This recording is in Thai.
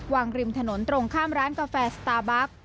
ริมถนนตรงข้ามร้านกาแฟสตาร์บัค